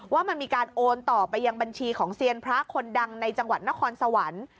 ว่ามันมีการโอนต่อไปยังบัญชีของเซียนพระคนดังในจังหวัดนครสวรรค์